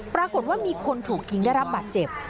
ปรากฏว่ามีคนถูกยิงได้รับบาดเจ็บ